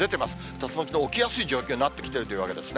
竜巻の置きやすい状況になってきているというわけですね。